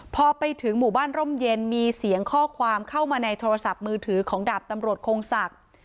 พอไปถึงหมู่บ้านร่มเย็นมีเสียงข้อความเข้ามาในโทรศัพท์มือถือของดาบตำรวจคงศักดิ์